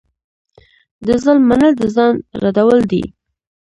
د ظالم منل د ځان ردول دي.